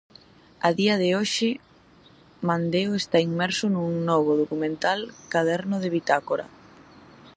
A día de hoxe Mandeo está inmerso nun novo documental caderno de bitácora.